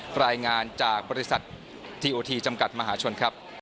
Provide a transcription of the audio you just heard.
รายงานจากบริษัททีโอทีจำกัดมหาชนครับ